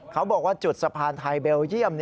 เขาบอกว่าจุดสะพานไทยเบลเยี่ยม